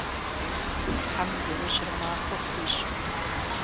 Тхьэм и ужьыр махуэ фхуищӏ.